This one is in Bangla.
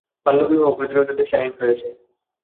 বাল্যবিবাহ প্রতিরোধে দেশে আইন হয়েছে।